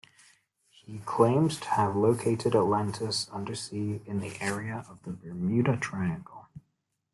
He claimed to have located Atlantis undersea in the area of the Bermuda Triangle.